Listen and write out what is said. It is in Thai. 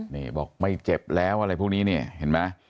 นี่บอกไม่เจ็บแล้วอะไรพวกนี้เนี่ยเห็นไหม